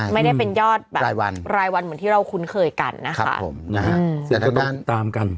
ไม่ได้เป็นยอดรายวันเหมือนที่เราคุ้นเคยกันนะคะ